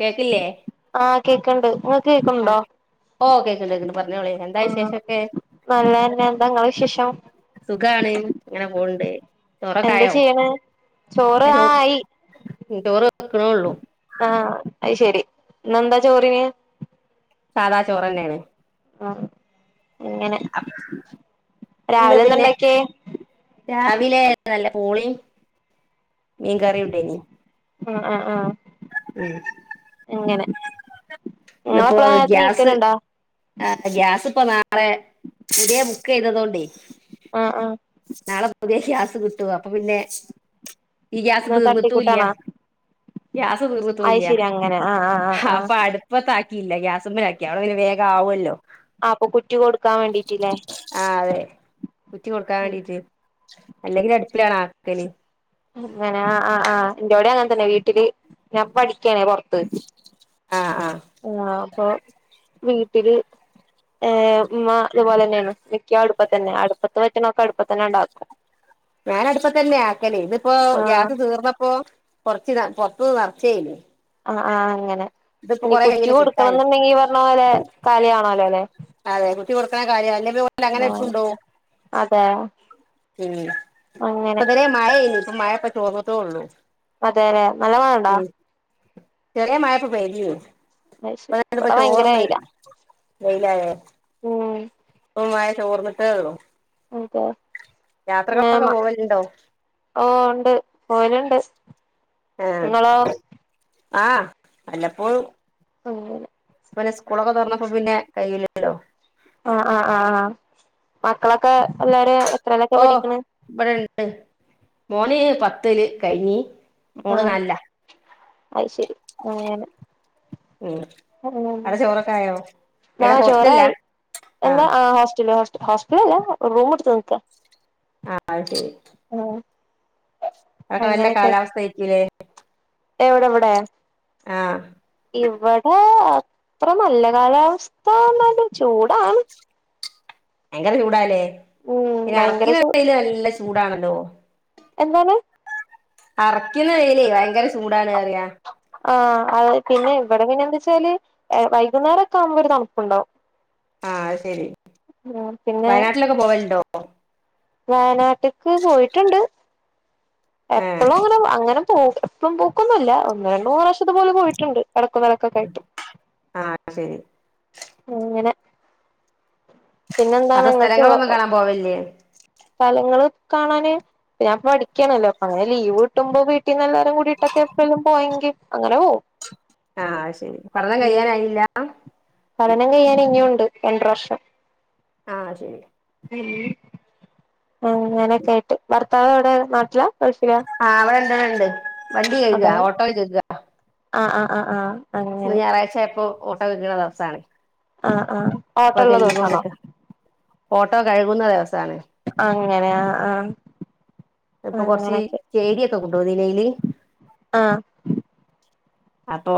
കേക്കില്ലേ ആഹ് കേക്ക്ണ്ട് ഇങ്ങക്ക് ആ കേക്ക്ണ്ടോ? ഓ കേക്കണ്ട് കേക്കണ്ട് പറഞ്ഞോളി എന്താ ആഹ് വിശേഷൊക്കെ നല്ലന്നെ എന്താ ഇങ്ങളെ വിശേഷം? സുഖാണ് ഇങ്ങനെ പോവ്ണ്ട് എന്താ ചെയ്യണെ? ചോറ് ആ ആയി ഉം ചോറ് വെ ക്ക്ണൊള്ളു ആഹ് അഹ്ശരി ഇന്നെന്താ ചോറിന്? സാധാ ചോറന്നേണ് ആഹ് അങ്ങനെ ഇന്ന് രാവിലെ എന്താ പിന്നെ ഇണ്ടാക്കിയേ രാവിലെ നല്ല പൂളിം, മീൻകറിംണ്ടേയിനി ആഹ് ആഹ് ആഹ് ഉം അങ്ങനെ ഇന്നിപ്പോ ഇങ്ങളെപ്പളാ നേരത്തെ ഗ്യാസ് നീക്കലുണ്ടോ? ആ ഗ്യാസ്പ്പം നാളെ പുതിയെ ബുക്കെയ്തതോണ്ടേ ആഹ് ആഹ് നാളെ പുതിയ ഗ്യാസ് കിട്ടും അപ്പൊ പിന്നെ ഈ ഗ്യാസ് ഇന്ന് തീർന്ന്ട്ടൂല്ല്യ തട്ടിക്കൂട്ടാണോ ഗ്യാസ് അത് തീർന്ന്ട്ടൂല്ല്യ ശരി അങ്ങനെ ആഹ് ആഹ് ആഹ് ആഹ് ആഹ് അപ്പൊ അട് പ്പത്താക്കിയില്ല ഗ്യാസ്മ്മെലാക്കി അവിടെ വേഗാവൊല്ലോ? അപ്പൊ കുറ്റി കൊടുക്കാൻ വേണ്ടീട്ട്ല്ലേ ആഹ് അതെ കുറ്റി കൊടുക്കാൻ ഉം വേണ്ടീട്ട് അല്ലെങ്കില് അടുപ്പിലാണാക്കല് അങ്ങനെ ആഹ് ആ് ആഹ് ഇന്റോടിം അങ്ങൻ തന്നെ വീട്ടില് ഞാൻ ഇപ്പൊ പഠിക്കാണേ പൊറത്ത് ആഹ് ആഹ് ങ്ങാ അപ്പൊ വീട്ടില് ഏഹ് ഉമ്മ ഇതുപോലെന്നെയാണ് മിക്ക അടുപ്പത്തന്നെ അടുപ്പത്ത് വെക്ക്ണൊക്കെ അടുപ്പത്തന്നെണ്ടാക്കും [inaudible] ഞാനടുപ്പത്തന്നെ ആക്കല് ഇതിപ്പോ ആഹ് ഗ്യാസ് തീർന്നപ്പോ കൊറച്ച് പൊറത്ത്ന്ന് നറച്ചേനി ആഹ് ആഹ് അങ്ങനെ ഇതിപ്പോ ഇനി കൊറെ കുറ്റി കയ്യില് കിട്ടാന് കൊടുക്കണംന്നുണ്ടെങ്കി ഈ പറഞ്ഞ പോലെ കാലിയാണോല്ലോല്ലെ? അതെ കുട്ടി കൊടുക്കണ കാര്യ [unintelligible] ല്ല അങ്ങനെ ആഹ് ടച്ചുണ്ടോ? അതെ മ് അങ്ങനെ പൊതുവെ. മഴയ്നീ ഇപ്പം മഴ പ്പൊ തോർന്നിട്ടോള്ളു. അതെലെ നല്ല മഴയുണ്ടാ? ചെറിയ മഴപ്പൊ പെയ്തിനു അത് ശരി പെയ്തിപ്പോ ഇവിടെ ഭയങ്കര ചോർന്ന്. ല്ലേ. മ്ഹ് ഇപ്പം മഴ ചോർന്നിട്ടേള്ളു എന്താ യാത്രകൾക്കൊക്കെ പോവലുണ്ടോ? ഓഹ് ഉണ്ട്, പോവലുണ്ട്. ഏഹ് നിങ്ങളോ ആഹ് വല്ലപ്പോഴും. അങ്ങനെ. പിന്നെ സ്കൂളൊക്കെ തൊർന്നപ്പോ പിന്നെ കയ്യിലില്ലല്ലോ. ആഹ് ആഹ് ആഹ് ആഹ് മക്കളൊക്കെ എല്ലാരും. എത്രയിലൊക്കെ ഓഹ് പഠിക്കണ് ബടെണ്ട് മോന് പത്ത്ല് കഴിഞ്ഞ്. മോള് നാൽലാ. അയ്ശരി അങ്ങനെ. ആഹ് അവ്ടെ ചോറൊക്കായോ? ആ എവിടെ ഹോസ്റ്റലിലാ ചോറായി. എന്താ, ആഹ് ഹോസ്റ്റല് ഹോസ്റ്റ് ഹോസ്റ്റലല്ല റൂം ഇട്ത്ത് നിക്ക. ആഹ് അത്ശരി. ആഹ്. അവ്ടെ നല്ല അങ്ങനെയൊക്കെ കാലാവസ്ഥയിരിക്കുല്ലേ? എവിടെ ഇവിടെ. ആഹ്. ഇവിടെ അത്ര നല്ല കാലാവസ്ഥന്നാലും ചൂടാണ്. ഭയങ്കര ചൂടല്ലേ, ഉം പിന്നെ ഭയങ്കര ചൂ അറക്കിനവയില് നല്ല ചൂടാണല്ലോ. എന്താണ് അറക്കിന വയ്ല് ഭയങ്കര ചൂടാണ് പറയാ. ആഹ് അത് പിന്നെ ഇവിടെ പിന്നെ എന്ത്‌ച്ചാല്. ആഹ് വൈകുന്നേരൊക്കാവുമ്പോ ഒരു തണുപ്പുണ്ടാവും. ആഹ് അത്ശരി ഉം പിന്നെ വയനാട്ടിലൊക്കെ പോവല്ണ്ടോ? വയനാട്ട്ക്ക് പോയിട്ടുണ്ട് ഏഹ് എപ്പൊളങ്ങനെ അങ്ങനെ. പോം എപ്പം പോക്കൊന്നുല്ല ഒന്ന് രണ്ട് മൂന്ന് പ്രാശ്യം ഇതുപോലെ പോയിട്ടുണ്ട് എടക്കും വഴകൊക്കായിട്ട്. ആഹ് ശരി. അങ്ങനെ പിന്നെന്താണ് അപ്പൊ ഇങ്ങൾക്ക് ഒ സ്ഥലങ്ങളൊന്നും ഒ. കാണാൻ പോവലില്ലേ സ്ഥലങ്ങള് കാണാന് ഞാൻ പഠിക്കണല്ലോ അങ്ങനെ ലീവ് കിട്ടുമ്പോ വീ ട്ടിന്നല്ലാരും കൂടിട്ടൊക്കെ പ്പളും പോയെങ്കി അങ്ങനെ പോവും. ആഹ് ശരി പഠനം ഉം കഴിയാനായില്ല. പഠനം കയ്യാൻ ഇനിയുണ്ട് രണ്ടര വർഷം. ആഹ് ശരി. ആഹ് അങ്ങനൊക്കെയ്ട്ട് ഭർത്താവ് എവിടെ നാട്ടിലാ ഗൾഫിലാ? ആള് എന്റകയ് ഇണ്ട് വണ്ടി അതെ കയ്ക ഓട്ടോ കയ്ക. ആഹ് ആഹ് ആഹ് ആഹ്. അങ്ങനെ ഇന്ന് ഞായറാഴ്ചയപ്പോ ഓട്ടോ കയ്ക്ണ ദെവസാണ്. ആഹ് ആഹ് ഓട്ടൊള്ള ദിവസാണോ? ഓട്ടോ കഴുകുന്ന ദിവസാണ്. അങ്ങനെ ആഹ് ആഹ്. ഇപ്പൊ കൊറച്ച് അങ്ങനൊക്കെ ചെകിരിയൊക്കെ കൊണ്ടൊന്നിലയ്ല് ആഹ് അപ്പൊ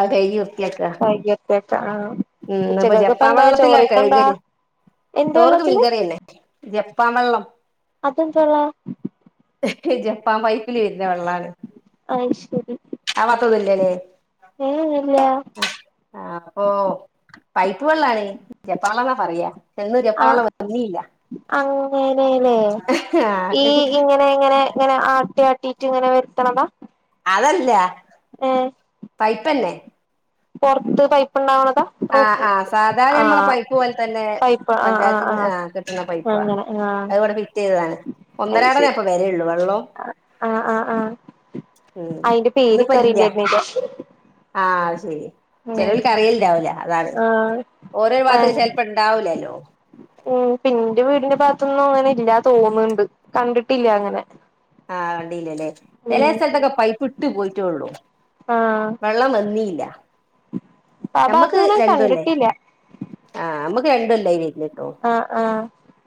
അത് കൈകി വൃത്തിയാക്ക. അയ്യെപ്പെട്ട ആഹ് ഇന്നിപ്പൊ ഉച്ചക്കൊക്കെ ഇപ്പ എന്താ ജപ്പാവള്ളത്തിലാ ചോറിക്കെന്താ കഴുകല് എന്ത് ചോർക്ക് വെള്ളത്തിന് മീൻകറില്ലേ. ജപ്പാൻ വെള്ളം അതെന്ത് വെള്ള ജപ്പാൻ പൈപ്പില് വെര്ണെ വെള്ളാണ് അത്ശെരി അഭാത്തൊന്നുല്ലല്ലേ ഇല്ല ആഹ് അപ്പൊ പൈപ്പ് വെള്ളാണ് ജെപ്പാൻവെള്ള പറയാ വടെന്നു ജപ്പാൻ വെള്ളം വന്നീല്ല അങ്ങനെലേ ആ ഈ ഇങ്ങ ഇങ്ങനെ ഇങ്ങനെ ഇങ്ങനെ ആട്ടിയാട്ടിറ്റ്ങ്ങനെ വര്ത്ത്ണത അതല്ല ഏഹ് പൈപ്പെന്നെ പോർത്ത് പൈപ്പ്ണ്ടാവ ണതാ ആഹ് ആഹ് സാധാ നമ്മളെ പൈപ്പ് പോലെ തന്നെ പൈപ്പ് ആ ആ പഞ്ചായത്ത്ന്ന് ആ ആഹ് കിട്ട്ണെ പൈ പ്പാ അങ്ങനെ ആ അതിവ്ടെ ഫിറ്റെയ്തതാണ് ഒന്നരാടന്നേ ഇപ്പ വേരെള്ളൂ വെള്ളവും ആഹ് ആഹ് ആഹ് ഉം അയിന്റെ പേര് ഇന്നിപ്പോ ഇല്ല ക്കറിയണ്ടെര്ന്നില്ല ആഹ് അത്ശെരി ചെലോൽക്കറിയില്ണ്ടാവൂല അതാണ് ആഹ് ഓരോ വാത്ത്ക്ക് ചെലപ്പോണ്ടാവുലല്ലോ ഉം പിന്റെ വീടിന്റെ ഭാത്തൊന്നും അങ്ങനെല്ലാ തോന്ന്ണ്ട് കണ്ടിട്ടില്ല അങ്ങനെ ആഹ് കണ്ടീലല്ലേ ചെലെ ഉം സ്ഥലത്തൊക്കെ പൈപ്പ് ഇട്ട് പോയിട്ടൊള്ളു ആഹ് വെള്ളം വന്നീല്ല ആ നമ്മക്ക് ഭാഗത്ത്ന്ന് ഞാൻ രണ്ടോല്ലായ് കണ്ടിട്ടില്ല ആഹ് മ്മക്ക് രണ്ടോല്ലായി വര്ന്നിട്ടോ ആ ആ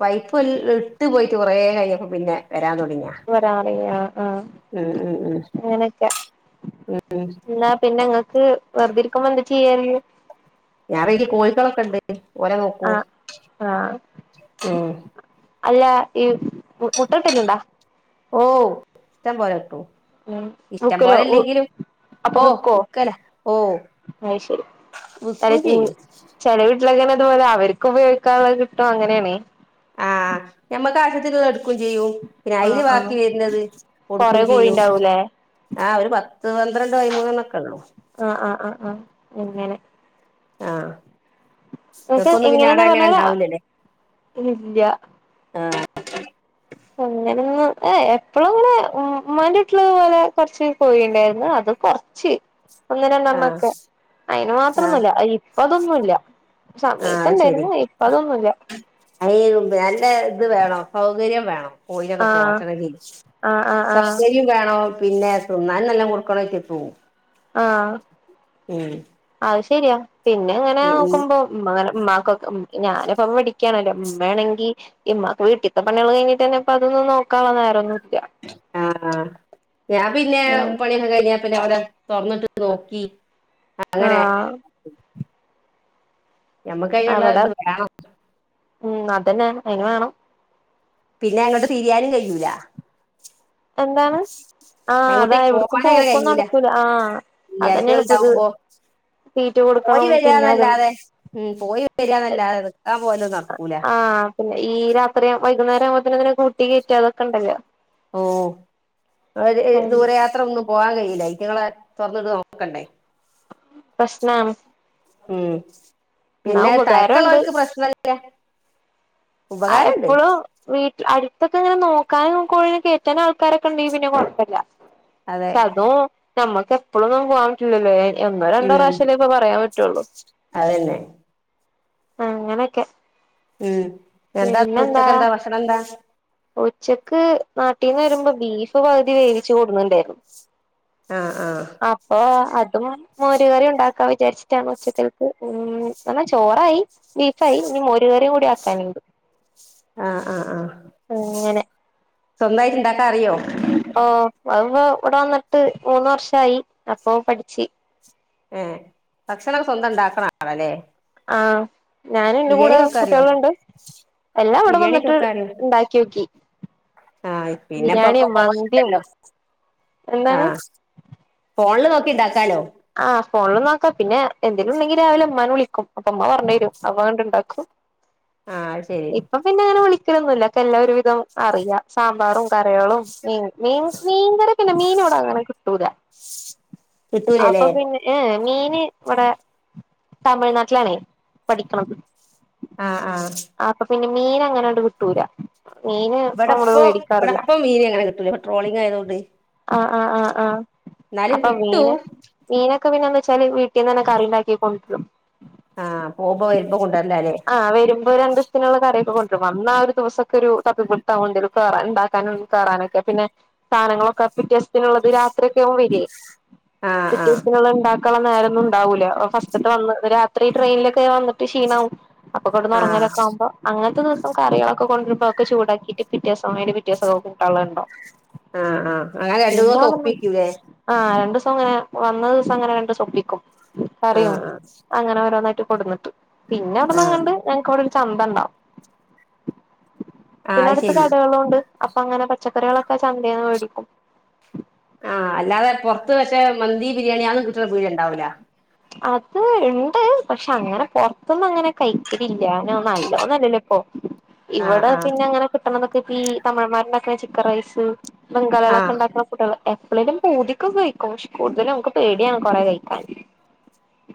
പൈപ്പോല് ഇട്ട് പോയിട്ട് കുറേ കഴിഞ്ഞപ്പോ പിന്നെ വരാൻ തോടങ്ങി വരാറിയാ ആഹ് ഉം അങ്ങനെക്കെ ന്നാ പിന്നെങ്ങക്ക് വെറ്തിരിക്കുമ്പോ ന്ത ചെയ്യല് [unintelligible] കോഴിക്കളെക്കെണ്ട് ഓരെ നോക്കു ആ ആഹ് ഉം അല്ല ഈ മുട്ടട്ടല്ണ്ടാ? ഓ ഇഷ്ടം പോലെ കിട്ടും ഉം ഇഷ്ടം ബുക്കിലോ പോലെല്ലെങ്കിലും അപ്പൊ ഓഹ് ബുക്കോ വിക്കല ഓ അത് വിക്കും ചെയ്യും ചെലവിട്ടിലക്കെപോലെ അവർക്ക് ഉപയോഗിക്കാനുള്ള കിട്ടും അങ്ങനെണ് ആഹ് ഞമ്മക്കാവശ്യത്തിനുള്ള എടുക്കും ചെയ്യും പിന്നയില് ആഹ് ബാക്കി ആഹ് വരുന്നത് കൊടുക്കും കൊറെ ചെയ്യും കോഴിണ്ടാവൂലേ ആഹ് ഒരു പത്ത് പന്ത്രണ്ട് പൈമൂന്നെണ്ണോക്കെള്ളൂ ആഹ് ആഹ് ആഹ് ആഹ് അങ്ങനെ ആഹ് നിങ്ങക്ക് ഇങ്ങക്കൊന്നും എങ്ങനെയെന്നാ പറഞ്ഞ പിന്നവിടങ്ങനെ ണ്ടാവൂലല്ലേ? ഇല്ല ആഹ് അങ്ങനെന്നും ഏ എപ്പോളുങ്ങനെ ഉം ഉമ്മാന്റെ വീട്ടില് ഇത്പോലെ കോറ്ച്ച് കോഴിണ്ടായിരുന്നു അത് കൊ ച് ഒന്ന് ആഹ് രണ്ടണ്ണോക്കെ അയിന് ആഹ് മാത്രോന്നുല്ല അയ്‌ ഇപ്പ അതൊന്നുല്ല സമയത്ത് ഇണ്ടെര്ന്നു ഇപ്പ അതൊന്നുല്യ അയ്‌രുബ് നല്ല ഇത് വേണം സൗകര്യം വേണം കോഴിനോക്കെ ആഹ് പൊറ്റണെങ്കി ആഹ് ആഹ് ആഹ് സൗകര്യം വേണോ പിന്നെ തിന്നാനും നല്ലോം കൊടുക്കണം അയ്റ്റക്കും ആ അത് ശെരിയാ പിന്നെ ഇങ്ങനെ പിന്ന നോക്കുമ്പോ ഇമ്മങ്ങനെ ഇമ്മാക്കൊക്ക ഉം ഞാന്പ്പം പഠി ക്ക്യാണല്ലോ വേണങ്കി ഇമ്മാക്ക് വീട്ടിത്തെ പണികള് കഴിഞ്ഞിട്ടന്നെ ഇപ്പ അതൊന്നും നോക്കാള്ള നേരോന്നുല്ല ആ ആ ഞാൻ പിന്നെ പണിക ള് കഴിഞാ പിന്നെ ഓല തൊർന്നിട്ട് നോക്കി ആ അങ്ങനെ ഞമ്മക്ക് അയ്‌ല്ള്ള അവിടെ ഇത് വേണം.. ഉം അതന്നെ അയിന് വേണം.. പിന്നെ എങ്ങട്ട് തിരിയാനും കയ്യുല.. എന്താണ് ആ അതാ എവ്ട്ക്കും പോവാനും അങ്ങനെ കഴിയൂല പോക്കൊന്നടക്കൂല. ആ വെള്ളിയാഴ്ചകൾ അതന്നെണ്. ഇപ്പത് ഉണ്ടാവുമ്പോ തീറ്റ പോയി കൊടുക്കണം പിന്നെ അതും വരാന്നല്ലാതെ ഉം പോയി വര ന്നല്ലാതത് ആ പിന്നെ ഈ രാത്രി വൈകുന്നേരം ആവുമ്പോത്തിന്. ഇതിനെ കൂട്ടി. കേറ്റ അതൊക്കണ്ടല്ലോ ഓ. ദൂരയാത്ര ഒന്നും പോവാൻ കയ്യൂല ഐറ്റങ്ങളെ. തൊർന്ന്ട്ട് നോക്കണ്ടേ പ്രശ്നാണ് ഉം എന്നാ പിന്നെ ഉപകാരം ഉണ്ട് തയക്കള്ളോര്ക്ക്. പ്രശ്നല്ല്യ ആ. എപ്പളോ വീട്ടിൽ അട്ത്തക്ക ഇങ്ങനെ നോക്കാനും കൊഴിനെ കേറ്റാന് ആൾക്കാരക്കെണ്ടെങ്കി. പിന്നെ കൊഴപ്പല്ല അതെ പക്ഷെ അതും. ഞമ്മക്ക് എപ്പളൊന്നു പോവാം പറ്റുലല്ലേ. എന്നോ രണ്ടോ ഉം പ്രാശ്യല്ലേ. ഇപ്പൊ പറയാം പറ്റൊള്ളു.. അതന്നെ അങ്ങനക്കെ ഉം എന്താ ഉച്ചക്കന്താ. ഭക്ഷണ എന്താ ഉച്ചക്ക് നാട്ടീന്ന് വരുമ്പം ബീഫ് പവുതി. വേവിച്ച്. കൊടുന്നുണ്ടെയ്‌ര്ന്നു.. ആ ആ അപ്പൊ അതും. മോര് കറി ഉണ്ടാക്കാ. വിചാരിച്ചിട്ടാണ് ഉച്ചക്കൽക്ക്. ഉം അന്നാ ചോറായി ബീഫായി ഇഞ്ഞി. മോര് കറി കൂടി ആക്കാന്ണ്ട് ആ ആ ആ അങ്ങനെ സ്വന്തായിട്ട് ഇണ്ടാക്കാ അറിയോ ഓ. അത് ഇപ്പൊ ഇവട വന്ന്ട്ട് മൂന്ന് വർഷായി അപ്പൊ പഠിചി ഏ ഭക്ഷണൊക്ക സ്വന്തം ഇണ്ടാക്ക്ണ ആളാലെ ആ ഞാന് ഇന്റെ കൂടെ. വെക്കാൻ അറിയോ കുട്ടിയള്ണ്ട് എല്ലാം ഇവട വന്ന്ട്ട് ഇണ്ടാക്കിയോക്കി ആ പിന്നെപ്പ ഒക്ക [unintelligible] ണ്ടല്ലോ. ആ എന്താണ് ഫോൺല് നോക്കി ഇണ്ടാക്കാലോ ആ ഫോൺലും നോക്കാ. പിന്നെ എന്തേലും ഇണ്ടെങ്കി രാവിലെ ഇമ്മാനെ വിളിക്കും. അപ്പ ഇമ്മ പർഞ്ഞെരും. അപ്പ അത് ഇണ്ടാക്കും ആ അത് ശരി ഇപ്പ പിന്നെ അങ്ങനെ വിളിക്കലൊന്നുല്ല. ഒക്ക എല്ലാ ഒരു വിധം. അറിയ സാമ്പാറും കറികളും മീൻ മീൻ മീൻ കറി പിന്നെ മീന് വ്‌ടെങ്ങനെ കിട്ടൂല. അപ്പൊ കിട്ടൂലല്ലേ പിന്നെ ഏഹെ മീന് വടെ തമിഴ്നാട്ട്ലാണേ പഠിക്ക്ണത്. ആഹ് ആഹ്. ആപ്പൊ പിന്നെ മീനങ്ങനാണ്ട് കിട്ടൂല. മീന് വടെ നമ്മള് പ്പൊ വടെ മേടിക്കാറില്ല പ്പം മീനിങ്ങനെ കിട്ടൂല പ്പം ട്രോളിംങ്ങായതോണ്ട് ആഹ് ആഹ് ആഹ് ആഹ്. അപ്പം കിട്ടും മീന് മീനൊക്കെ പിന്നെ ന്താച്ചാല് വീട്ടിന്നെന്നെ കറിണ്ടാക്കി കൊണ്ട് രും. ആഹ്. പോവ്‌മ്പൊ വീട്ട്ന്ന് കൊണ്ടേര്ലാലെ. ആഹ് വെര്മ്പൊ രണ്ടൂസ്ത്തിന് ള്ളെ കറിയൊക്കെ കൊണ്ട്രും. വന്ന ആ ഒര് ദിവസൊക്കെരു തപ്പിടുത്താവും ണ്ടേലും കേറാനും, ണ്ടാക്കാനും, കേറാനൊ ക്കെ. പിന്നെ സാധനങ്ങളൊക്കെ പിറ്റ്യേസ്ത്തിനുള്ളത് രാത്രിക്കെ റെടിയായി. ആഹ് പിറ്റ്യേ ആഹ് സ്ത്തിനുള്ളത്ണ്ടാ ക്കാൻള്ളെ നേരൊന്നും ണ്ടാവൂല ഫസ്റ്റ്ത്തെ അന്ന്. രാത്രി ട്രെയിൻലൊക്കെ വന്ന്ട്ട് ക്ഷീണാവും. അപ്പൊ ക്കെട്ന്ന് ആഹ് ഒർങ്ങലൊക്കെ ആവ്മ്പ അങ്ങൻത്തെ ദിവസം കറികളൊക്കെ കൊണ്ട്രുമ്പ അതൊക്കെ ചൂടാക്കിട്ട് പിറ്റ്യേസം അയിന്റെ പിറ്റ്യേസൊക്കെ കൂട്ടാൺ ളെ ണ്ടാവും. ആഹ് ആഹ് അങ്ങനെ രണ്ടു പിന്നെ ദിവസം ഒറങ്ങും. ഒപ്പിക്കൂലേ ആഹ് രണ്ട്സം ങ്ങനെ വന്നദിവസം ങ്ങനെ രണ്ട്സം ഒപ്പിക്കും. കറിം. ആഹ് ആഹ് അങ്ങനെ ഓരോന്നായിട്ട് കൊട്ന്ന്ട്ട് പിന്നെ ആഹ് അവ്ട്ന്നങ്ങാണ്ട് ഞങ്ങക്ക് അവ്ടൊര് ചന്ത ണ്ടാവും. ആഹ് പിന്നെ അത് അട്ത്ത് ശരി കടകളുണ്ട്. അപ്പൊ അങ്ങനെ പച്ചക്കറികളൊക്കെ ചന്തേന്ന് മേടിക്കും. ആഹ് അല്ലാതെ പൊർത്ത് മറ്റെ മന്തി, ബിരിയാണി അതൊന്നും കിട്ട്ണ പിട്യ ണ്ടാവൂല. അത് ഇണ്ട്. പക്ഷെ അങ്ങനെ പൊർത്ത്ന്നങ്ങനെ കഴിക്കലില്ലാ. നെ നോല്ലോന്നല്ലല്ലെ ഇപ്പൊ. ആഹ് ഇവടെ ആഹ് പിന്നെ അങ്ങനെ കിട്ടണതൊക്കെ പ്പെ ഈ തമഴമ്മാര് ണ്ടാക്ക്ണെ ചിക്കൻ റൈസ് ബംഗാളോളൊക്ക ആഹ് ണ്ടാക്ക്ണ [unintelligible] എപ്പളേലും പൂതി ക്കൊന്ന് കഴിക്കും. പക്ഷെ കൂട്തലും നമുക്ക് പേടിയാണ് കൊറെ കഴിക്കാൻ.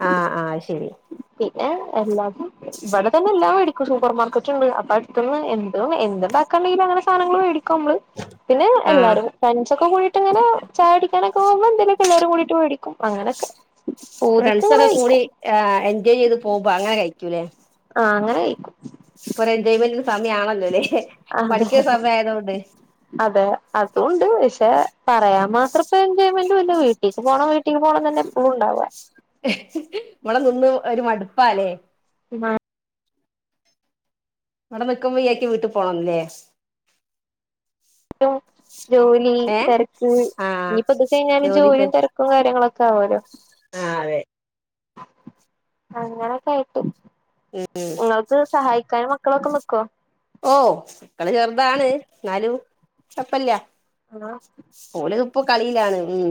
ആഹ് ആഹ് ശരി. പിന്നെ എല്ലാർക്കും വടെ തന്നെ എല്ലാം മേടിക്കും സൂപ്പർ മാർക്കറ്റ്ണ്ട്. അപ്പൊ അട്ത്ത്ന്ന് എന്തൊള്ളെ എന്ത് ണ്ടാക്കാണ്ടെങ്കിലും അങ്ങനെ സാനങ്ങള് മേടി ക്കമ്മള്. പിന്നെ ആഹ് എല്ലാരും ഫ്രണ്ട് സൊക്കെ കൂടി ട്ടങ്ങനെ ചായൊടിക്കാനൊക്കെ പോവ്മ്പം എന്തേലൊക്കെ എല്ലാരും കൂടിട്ട് മേടിക്കും അങ്ങനൊക്കെ. പൂതിക്ക് ഫ്രണ്ട് ഇങ്ങനെ സൊക്കെ കൂടി കഴിക്കും ഏഹ് എൻജോയ് ചെയ്ത് പോക്മ്പ അങ്ങനെ കഴിക്കൂലെ. ആഹ് അങ്ങനെ കഴിക്കും. പ്പൊര് എൻജോയ്മെന്റിന്റെ സമയമാണല്ലൊ ലെ അതെ അതെ അതൊണ്ട് പക്ഷെ പറയാം മാത്രപ്പൊ എൻജോയ്മെന്റൂല്ല വീട്ടീക്ക് പോണം വീ ട്ടീ പോണം തന്നെ എപ്പളും ണ്ടാവാ. വടെ നിന്ന് ഒര് മട്പ്പാ ലെ ഉ വ്ടെ നിക്ക്മ്പം വിചാരിക്കും വീട്ട് പോണംന്ന് ലെ. ജോലി ലി ഏ തെരക്ക് ആ നി പ്പൊ തൊക്കെ കഴിഞ്ഞാല് ജോലി ജോലിയും, തെരക്കും കാര്യങ്ങളൊക്കെ ആവോലൊ. ആഹ് അതെ. അങ്ങനൊക്കെ ആയിട്ട്. ങ്ങൾക്ക് സഹായിക്കാനും മക്കളൊക്കെ നിക്കൊ? ഓഹ്. പ്പൊന്ന് ചെർതാണ് ന്നാലും കൊഴപ്പല്ല്യാ. ആഹ് ഓല്പ്പം കളീലാണ് ഉം.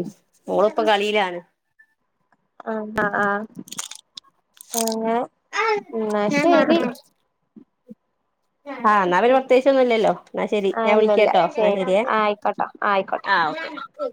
ഓള് പ്പം കളീലാണ്. ആഹ് ആഹ് ആഹ് അങ്ങെ ആ ന്നാ എന്നാ ശെരി ആഹ് ന്നാ പിന്നെ പ്രത്യേയ്ച്ചൊന്നുല്ലല്ലോ ന്നാ ശെരി ആ ഞാ ഇല്ലല്ല വിളിക്കട്ടോ ന്നാ ശരി ശെരേ ആയിക്കോട്ടോ ആയിക്കോട്ടെ ആഹ് ഓകെ